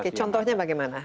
oke contohnya bagaimana